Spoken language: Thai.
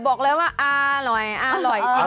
อ้าเฉพาะว่าอ้าลเปอไปด้วยค่ะ